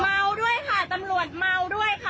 เมาด้วยนะคะตำรวจเมานะคะ